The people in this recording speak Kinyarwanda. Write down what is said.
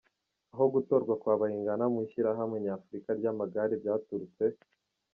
Aho gutorwa kwa Bayingana mu Ishyirahamwe Nyafurika ry’amagare byaturutse